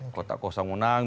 kota kosong menang